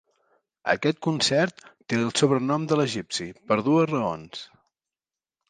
Aquest concert té el sobrenom de "L'egipci" per dues raons.